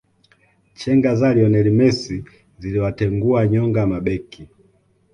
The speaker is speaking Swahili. chenga za lionel mesi ziliwatengua nyonga mabeki